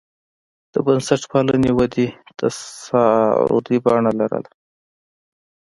د بنسټپالنې ودې تصاعدي بڼه لرله.